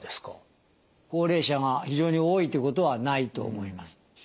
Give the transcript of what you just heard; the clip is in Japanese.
高齢者が非常に多いということはないと思います。